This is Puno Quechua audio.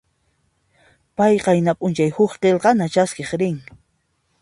Pay qayna p'unchay huk qillqanata chaskiq rin.